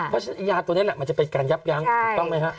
เพราะฉะนั้นยาตัวนี้แหละมันจะเป็นการยับยั้งถูกต้องไหมฮะ